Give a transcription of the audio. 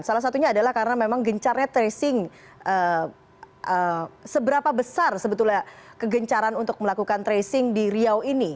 salah satunya adalah karena memang gencarnya tracing seberapa besar sebetulnya kegencaran untuk melakukan tracing di riau ini